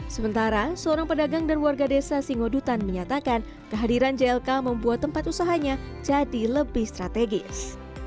sementara seorang pedagang dan warga desa singodutan menyatakan kehadiran jlk membuat tempat usahanya jadi lebih strategis